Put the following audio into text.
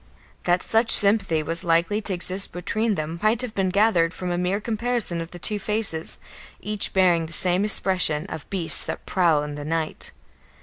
That such sympathy was likely to exist between them might have been gathered from a mere comparison of the two faces, each bearing the same expression of beasts that prowl in the night.